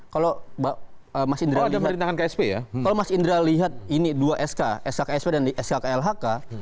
kalau mas indra lihat ini dua sk sk ksp dan sk klhk